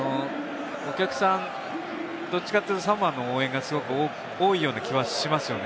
お客さん、どっちかというと、サモアの応援がすごく多いような気はしますよね。